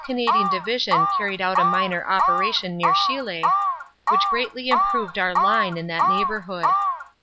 Canadian Division carried out a minor operation near Chilly, which greatly improved our line in that neighborhood.